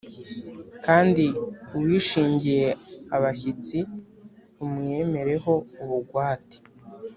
kandi uwishingiye abashyitsi umwemere ho ubugwate